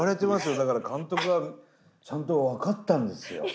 だから監督はちゃんと分かってたんですよ。